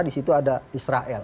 di situ ada israel